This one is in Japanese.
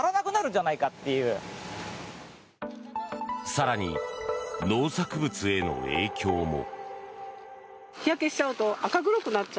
更に、農作物への影響も。